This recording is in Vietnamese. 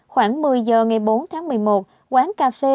khoảng một mươi giờ ngày bốn tháng một mươi một quán cà phê